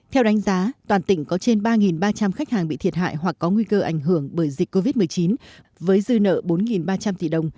theo đánh giá toàn tỉnh có trên ba ba trăm linh khách hàng bị thiệt hại hoặc có nguy cơ ảnh hưởng bởi dịch covid một mươi chín với dư nợ bốn ba trăm linh tỷ đồng